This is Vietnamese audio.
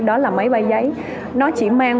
đó là máy bay giấy nó chỉ mang